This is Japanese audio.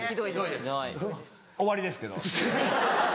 終わりですけど。